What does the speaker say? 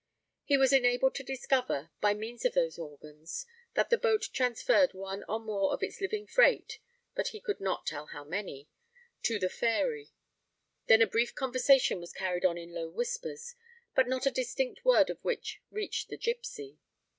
He was enabled to discover, by means of those organs, that the boat transferred one or more of its living freight (but he could not tell how many) to the Fairy: then a brief conversation was carried on in low whispers, but not a distinct word of which reached the gipsy.